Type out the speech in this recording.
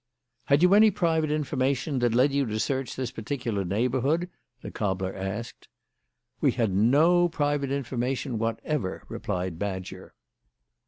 "Had you any private information that led you to search this particular neighbourhood?" the cobbler asked. "We had no private information whatever," replied Badger.